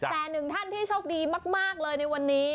แต่หนึ่งท่านที่โชคดีมากเลยในวันนี้